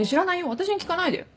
私に聞かないで。